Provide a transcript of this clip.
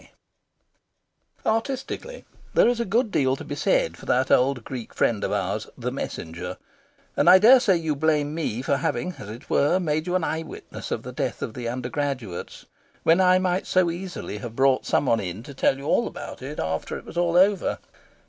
XX Artistically, there is a good deal to be said for that old Greek friend of ours, the Messenger; and I dare say you blame me for having, as it were, made you an eye witness of the death of the undergraduates, when I might so easily have brought some one in to tell you about it after it was all over...